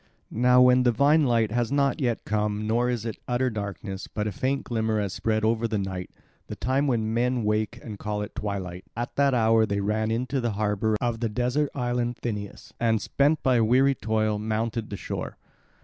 Now when divine light has not yet come nor is it utter darkness, but a faint glimmer has spread over the night, the time when men wake and call it twilight, at that hour they ran into the harbour of the desert island Thynias and, spent by weary toil, mounted the shore.